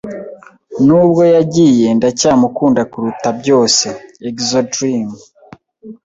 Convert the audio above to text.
Nubwo yagiye, ndacyamukunda kuruta byose. (exodream)